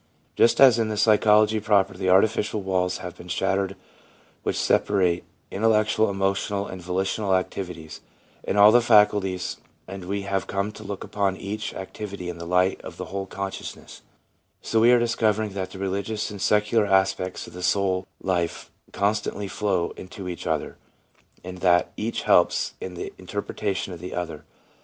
Just as in psychology proper the artificial walls have been shattered which separate intellectual, emotional and volitional activities and all the ' faculties/ and we have come to look upon each activity in the light of the whole consciousness, so we are discovering that the religious and secular aspects of the soul life constantly flow into each other, and that each helps in the interpretation of the other.